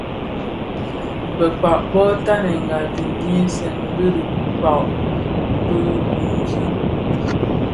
Bekpag bo tanenga di nhyesen bi dhikpaň bi duńzi.